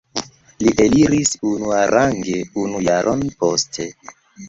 Li eliris unuarange unu jaron poste.